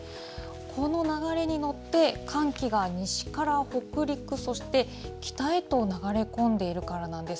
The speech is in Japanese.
この流れに乗って、寒気が西から北陸、そして北へと流れ込んでいるからなんです。